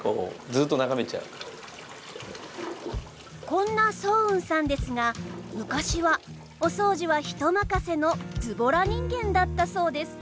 こんな双雲さんですが昔はお掃除は人任せのズボラ人間だったそうです。